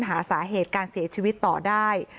หาสาเหตุการเสียชีวิตต่อได้